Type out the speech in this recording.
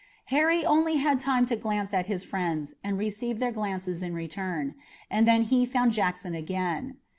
Harry only had time to glance at his friends and receive their glances in return, and then he found Jackson again.